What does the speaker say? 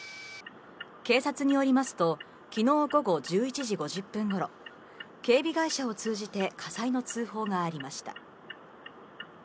警察によりますと、昨日午後１１時５０分頃、警備会社を通じて火災の通報がありました。